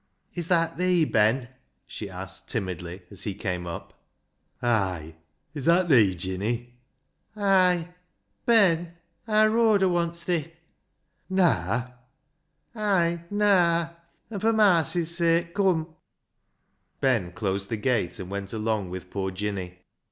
" Is that thee, Ben ?" she asked timidly, as he came up. 220 BECKSIDE LIGHTS " Ay ; is that thee, Jinny ?"" Ay ! Ben, aar Rhoda wants thi." "Naa?" " Ay, naa. An' fur marcy's sake come." Ben closed the gate and went along with poor Jinny.